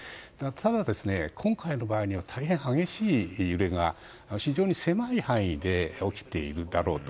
ただ、今回の場合には大変激しい揺れが非常に狭い範囲で起きているだろうと。